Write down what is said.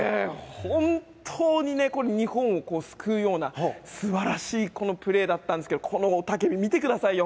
本当に日本を救うような素晴らしいプレーだったんですがこの雄たけび、見てくださいよ。